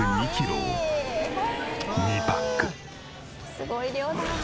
すごい量だ。